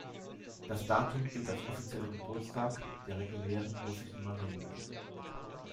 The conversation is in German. Das Datum gilt als offizieller Geburtstag der regulären russischen Marine.